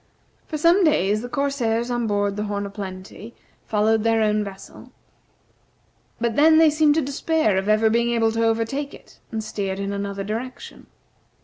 For some days the corsairs on board the "Horn o' Plenty" followed their own vessel, but then they seemed to despair of ever being able to overtake it, and steered in another direction.